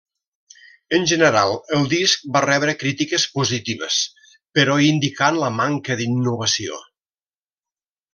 En general, el disc va rebre crítiques positives però indicant la manca d'innovació.